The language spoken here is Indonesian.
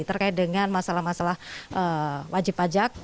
terkait dengan masalah masalah wajib pajak